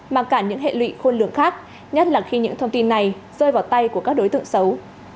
mà cả những hệ lụy khôn lường khác nhất là khi những thông tin này rơi vào tay của các đối tượng xấu